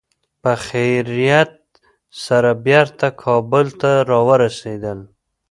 په خیریت سره بېرته کابل ته را ورسېدل.